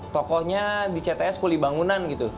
tokohnya di cts kuli bangunan gitu